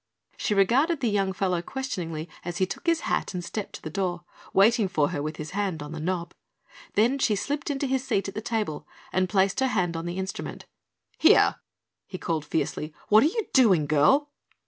She regarded the young fellow questioningly as he took his hat and stepped to the door, waiting for her with his hand on the knob. Then she slipped into his seat at the table and placed her hand on the instrument. "Here!" he called fiercely. "What are you doing, girl?"